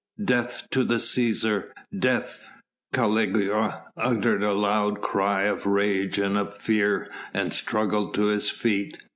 "Death to the Cæsar! Death!" Caligula uttered a loud cry of rage and of fear and struggled to his feet.